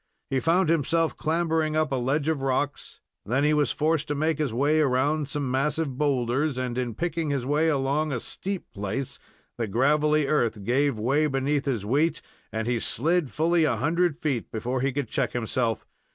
He found himself clambering up a ledge of rocks, then he was forced to make his way around some massive boulders, and in picking his way along a steep place, the gravelly earth gave way beneath his weight, and he slid fully a hundred feet before he could check himself.